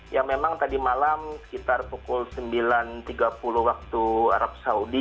ya memang tadi malam sekitar pukul sembilan tiga puluh waktu arab saudi